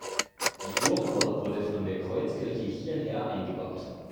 Die Turmuhr wurde von der Kreuzkirche hierher eingebaut.